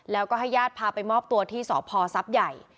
แล้วก็ให้ญาติพาไปมอบตัวที่สพทรัพย์ใหญ่